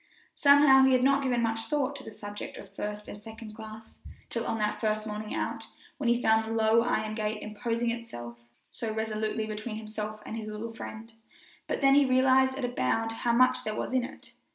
Somehow he had not given much thought to this subject of first and second class till on that first morning out, when he found the low iron gate imposing itself so resolutely between himself and his little friend; but then he realized at a bound how much there was in it.